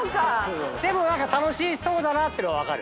でも楽しそうだなってのは分かる。